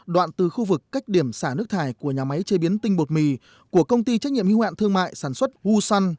đoạn từ khu vực cách điểm xả nước thải của nhà máy chế biến tinh bột mì của công ty trách nhiệm hưu hạn thương mại sản xuất gu săn